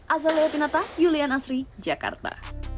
azalea pinata julian asri jakarta